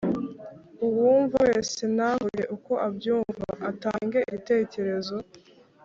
uwumva wese navuge uko abyumva atange igitekerezo